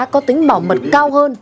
có tính bảo mật cao hơn